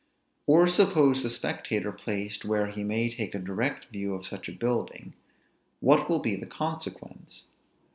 Or suppose the spectator placed where he may take a direct view of such a building, what will be the consequence?